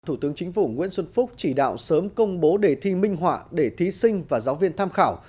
thủ tướng chính phủ nguyễn xuân phúc chỉ đạo sớm công bố đề thi minh họa để thí sinh và giáo viên tham khảo